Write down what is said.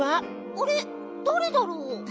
あれっだれだろう？